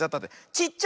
ちっちゃ！